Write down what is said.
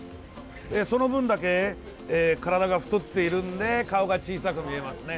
その分だけ体が太っているので顔が小さく見えますね。